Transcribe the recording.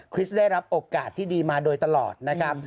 ได้รับโอกาสที่ดีมาโดยตลอดนะครับ